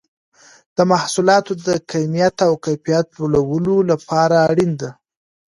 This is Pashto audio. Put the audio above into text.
د محصولاتو د کمیت او کیفیت لوړولو لپاره اړین دي.